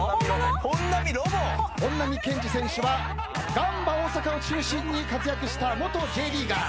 本並健治選手はガンバ大阪を中心に活躍した元Ｊリーガー。